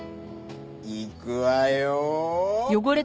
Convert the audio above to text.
いくわよ！